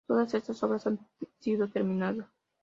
Todas estas obras han sido terminadas.